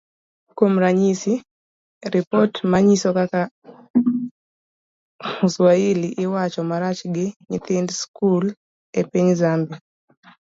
Kuom ranyisi, ripot manyiso kaka oswahili iwacho marach gi nyithind skul e piny Zambia